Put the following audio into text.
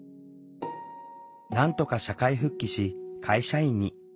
なんとか社会復帰し会社員に。